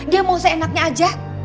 dia mau seenaknya aja